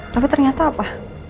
tapi ternyata apa